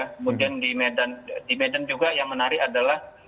kemudian di medan juga yang menarik adalah